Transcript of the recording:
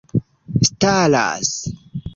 staras